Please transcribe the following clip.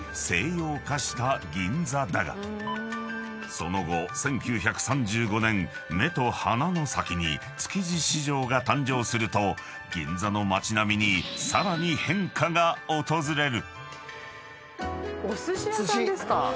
［その後１９３５年目と鼻の先に築地市場が誕生すると銀座の街並みにさらに変化が訪れる］